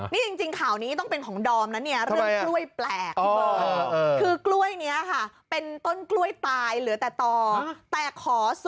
นี่จริงข่าวนี้ต้องเป็นของดอมนะเนี่ยเรื่องกล้วยแปลกพี่เบิร์ต